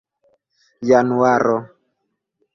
januaro